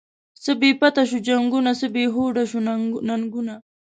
څه بی پته شوو جنگونه، څه بی هوډه شوو ننگونه